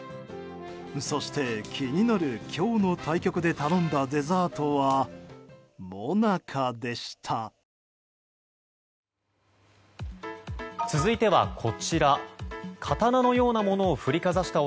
そして、気になる今日の対局で頼んだデザートはモナカでした。